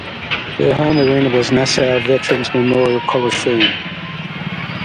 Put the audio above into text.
Their home arena was Nassau Veterans Memorial Coliseum.